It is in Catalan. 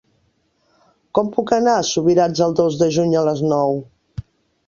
Com puc anar a Subirats el dos de juny a les nou?